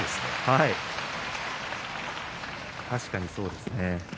確かにそうですね。